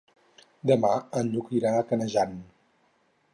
Demà en Lluc irà a Canejan.